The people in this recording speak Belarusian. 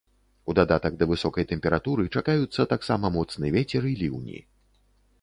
У дадатак да высокай тэмпературы чакаюцца таксама моцны вецер і ліўні.